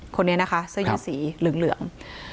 คนนี้นะคะเสื้อยืดสีเหลือง